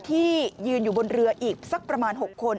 ที่ยืนอยู่บนเรืออีกสักประมาณ๖คน